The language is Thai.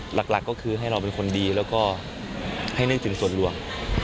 หลักก็คือให้เราเป็นคนดีแล้วก็ให้นึกถึงส่วนรวม